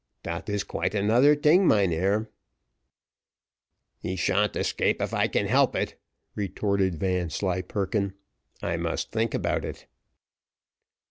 "Dat is quite anoder ting, mynheer." "He shan't escape if I can help it," retorted Vanslyperken. "I must think about it."